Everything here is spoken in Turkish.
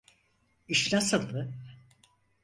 İş nasıldı?